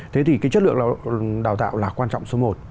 thế thì cái chất lượng đào tạo là quan trọng số một